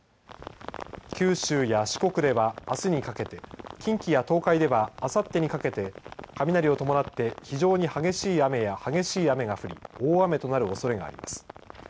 九州や四国では、あすにかけて近畿や東海ではあさってにかけて雷を伴って非常に激しい雨や激しい雨が降り大雨となるおそれがあります。